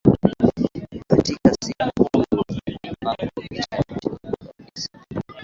katika simu huyu ni mpiga picha mashuhuri kabisa